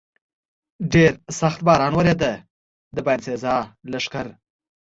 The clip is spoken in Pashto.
ډېر سخت باران ورېده، د باینسېزا لښکر.